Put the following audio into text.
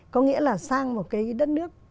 có nghĩa là sang một cái đất nước